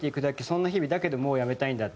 「そんな日々だけどもうやめたいんだ」